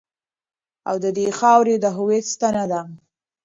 او د دې خاورې د هویت ستنه ده.